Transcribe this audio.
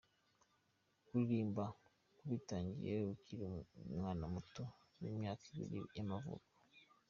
Kuririmba yabitangiye akiri umwana muto w'imyaka ibiri y'amavuko.